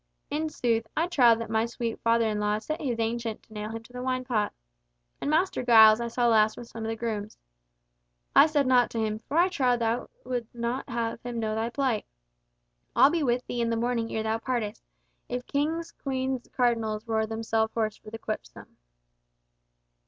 In sooth, I trow that my sweet father in law set his Ancient to nail him to the wine pot. And Master Giles I saw last with some of the grooms. I said nought to him, for I trow thou wouldst not have him know thy plight! I'll be with thee in the morning ere thou partest, if kings, queens, and cardinals roar themselves hoarse for the Quipsome."